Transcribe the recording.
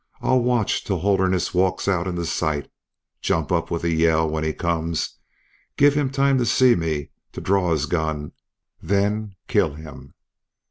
"I'll watch till Holderness walks out into sight, jump up with a yell when he comes, give him time to see me, to draw his gun then kill him!"